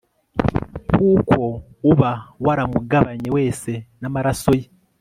kuko uba waramugabanye wese n'amaraso ye